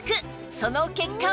その結果は？